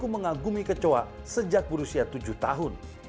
mengagumi kecoa sejak berusia tujuh tahun